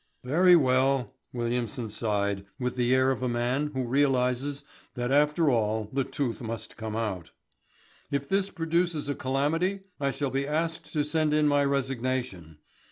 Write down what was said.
"Very well," Williamson sighed with the air of a man who realises that after all the tooth must come out. "If this produces a calamity I shall be asked to send in my resignation.